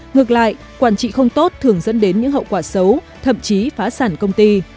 ngược lại quản trị không tốt thường dẫn đến những hậu quả xấu thậm chí phá sản công ty